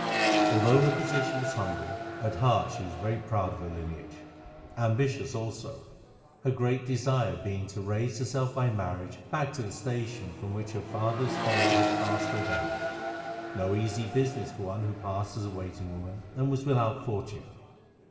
Although her position was humble, at heart she was very proud of her lineage, ambitious also, her great desire being to raise herself by marriage back to the station from which her father's folly had cast her down—no easy business for one who passed as a waiting woman and was without fortune.